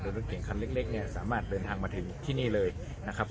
รถเก่งคันเล็กเนี่ยสามารถเดินทางมาถึงที่นี่เลยนะครับ